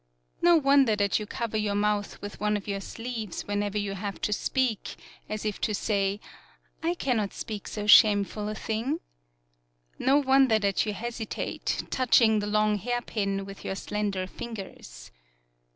No wonder that you cover your mouth with one of your sleeves whenever you have to speak, as if to say: "I cannot speak so shameful a thing." No won der that you hesitate, touching the long hairpin with your slender fingers.